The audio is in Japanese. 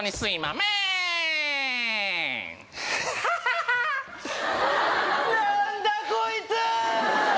なんだこいつー！